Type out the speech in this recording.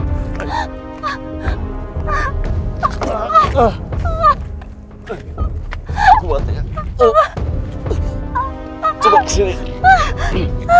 kuat ya kak cepat kesini kak